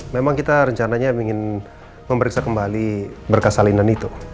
memang kita rencananya ingin memeriksa kembali berkas salinan itu